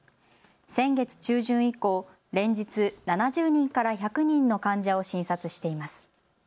先月中旬以降、連日７０人から１００人の患者を診察しています。